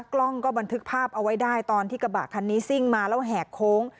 กล้องก็บันทึกภาพเอาไว้ได้ตอนที่กระบะคันนี้ซิ่งมาแล้วแหกโค้ง